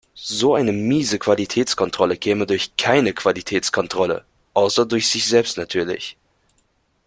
So eine miese Qualitätskontrolle käme durch keine Qualitätskontrolle, außer durch sich selbst natürlich.